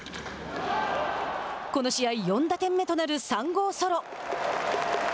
この試合、４打点目となる３号ソロ。